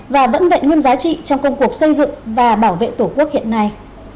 và vận vệ nguyên giá trị trong công cuộc xây dựng và bảo vệ tổ quốc hiện nay